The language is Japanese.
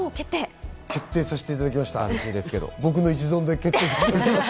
決定させていただきました、僕の一存で。